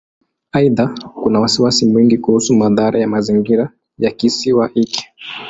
Aidha, kuna wasiwasi mwingi kuhusu madhara ya mazingira ya Kisiwa hiki.